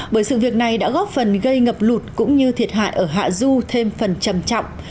bởi sự việc này đã góp phần gây ngập lụt cũng như thiệt hại ở hạ du thêm phần trầm trọng